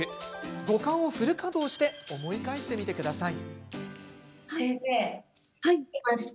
五感をフル稼働して思い返してみてください。